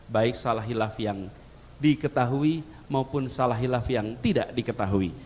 baik salah hilaf yang diketahui maupun salah hilaf yang tidak diketahui